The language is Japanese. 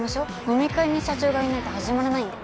飲み会に社長がいないと始まらないんで。